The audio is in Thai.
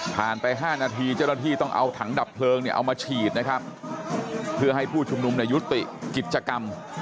ไป๕นาทีเจ้าหน้าที่ต้องเอาถังดับเพลิงเนี่ยเอามาฉีดนะครับเพื่อให้ผู้ชุมนุมในยุติกิจกรรม